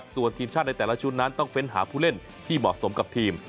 ส่วนทีมชาติในแต่ละชุดนั้นต้องเฟ้นหาผู้เล่นที่เหมาะสมกับทีม